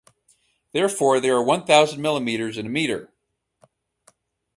Therefore there are one thousand millimetres in a metre.